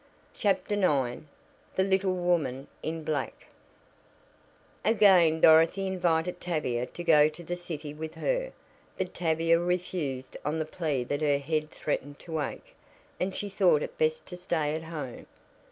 CHAPTER IX THE LITTLE WOMAN IN BLACK Again Dorothy invited Tavia to go to the city with her, but Tavia refused on the plea that her head threatened to ache, and she thought it best to stay at home.